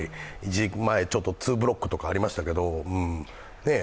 前、ちょっとツーブロックとかありましたけど。